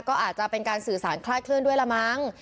ก็อาจจะเป็นการสื่อสารคลาดเคลื่อนด้วยละมั้ง